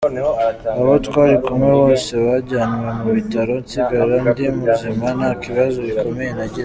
Abo twari kumwe bose bajyanwe mu bitaro nsigara ndi muzima nta kibazo gikomeye nagize”.